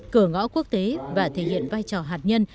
cửa ngõ quốc tế và thể hiện vai trò hạt nhân